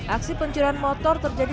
aksi pencurian motor terjadi